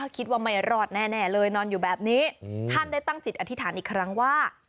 คิดว่าไม่รอดแน่เลยนอนอยู่แบบนี้ท่านได้ตั้งจิตอธิษฐานอีกครั้งว่า